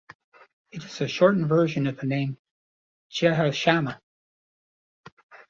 It is a shortened version of the name Jehoshama.